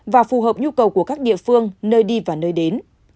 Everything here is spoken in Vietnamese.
và phù hợp nhu cầu của các địa phương nơi đi và nơi đến